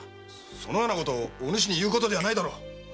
そのようなことお主に言うことではないだろう！